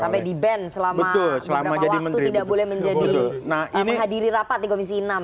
sampai di ban selama beberapa waktu tidak boleh menjadi menghadiri rapat di komisi enam